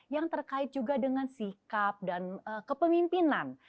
yang terkait juga dengan sikap dan kepemimpinan